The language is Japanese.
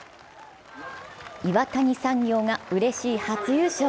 岩谷産業がうれしい初優勝。